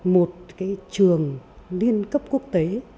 một trường liên cấp quốc tế